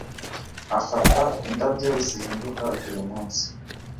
afata indabyo zihinduka buri munsi